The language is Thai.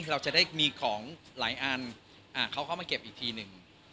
เราจะได้มีของหลายอันเขาเข้ามาเก็บอีกทีหนึ่ง